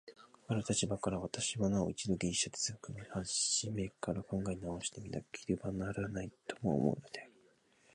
かかる立場から、私はなお一度ギリシヤ哲学の始から考え直して見なければならないとも思うのである。